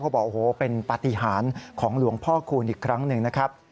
บอกโอ้โหเป็นปฏิหารของหลวงพ่อคูณอีกครั้งหนึ่งนะครับ